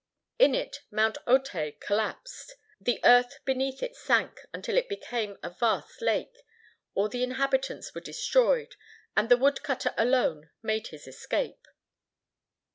In it Mount Otai collapsed, the earth beneath it sank until it became a vast lake, all the inhabitants were destroyed, and the woodcutter alone made his escape.